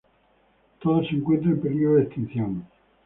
Todos se encuentran en peligro de extinción.